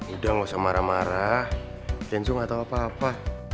udah gak usah marah marah kenzo gak tau apa apa